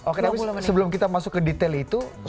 oke tapi sebelum kita masuk ke detail itu